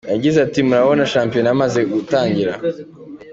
Yagize ati “Murabona ko shampiyona yamaze gutangira.